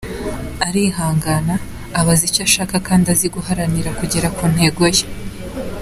Arihangana, aba azi icyo ashaka kandi azi guharanira kugera ku ntego ye.